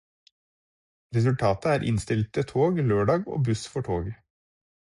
Resultatet er innstilte tog lørdag og buss for tog.